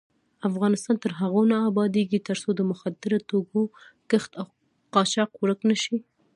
افغانستان تر هغو نه ابادیږي، ترڅو د مخدره توکو کښت او قاچاق ورک نشي.